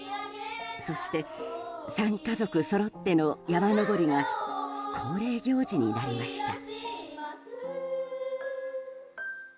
そして３家族そろっての山登りが恒例行事になりました。